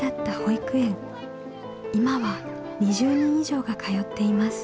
今は２０人以上が通っています。